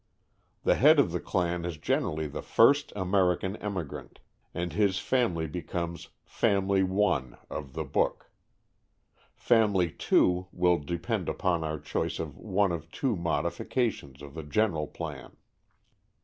The head of the clan is generally the first American emigrant, and his family becomes "Family 1" of the book. "Family 2" will depend upon our choice of one of two modifications of the general plan.